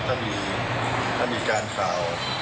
ถ้ามีการข่าว